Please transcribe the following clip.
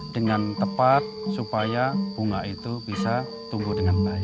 dengan tepat supaya bunga itu bisa tumbuh dengan baik